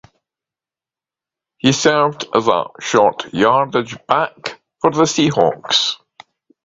He served as a short-yardage back for the Seahawks.